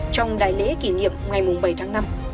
trong đại lễ kỷ niệm ngày bảy tháng năm